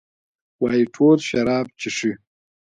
وايي ټول شراب چښي.